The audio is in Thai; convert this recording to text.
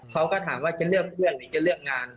เขาก็ถามว่าจะเลือกเพื่อนหรือจะเลือกงาน